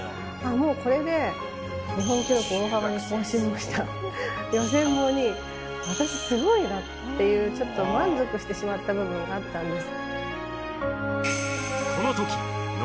もうこれで日本記録大幅に更新もした予選も２位私すごいなっていうちょっと満足してしまった部分もあったんです。